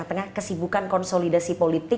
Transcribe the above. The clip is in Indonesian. ada pak erlangga ada pak imin